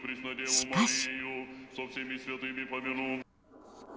しかし。